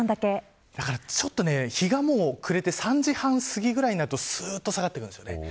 ちょっと日が暮れて３時半過ぎくらいになるとすーっと下がってくるんですよね。